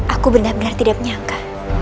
aku benar benar tidak menyangka